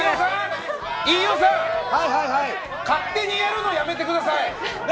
飯尾さん、勝手にやるのやめてください。